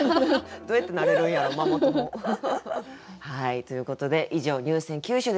どうやってなれるんやろママ友。ということで以上入選九首でした。